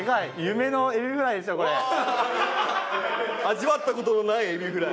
味わった事のないエビフライ？